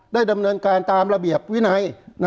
ดำเนินการตามระเบียบวินัย